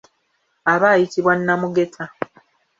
Aba ayitibwa namugeta.